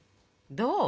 どう？